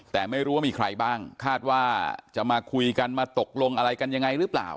แต่ไม่รู้ว่ามีใครบ้างคาดว่าจะมาคุยกันมาตกลงอะไรกันยังไงหรือเปล่า